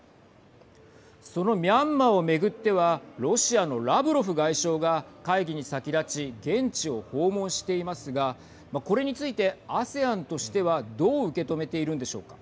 そのミャンマーを巡ってはロシアのラブロフ外相が会議に先立ち現地を訪問していますがこれについてＡＳＥＡＮとしてはどう受け止めているんでしょうか。